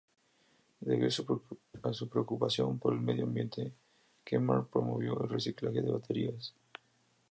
Debido a su preocupación por el medio ambiente, Kmart promovió el reciclaje de baterías.